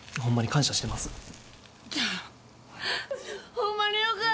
ホンマによかった！